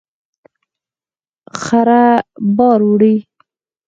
خره بار وړي.